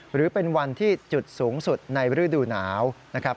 หรือเป็นวันที่จุดสูงสุดในฤดูหนาวนะครับ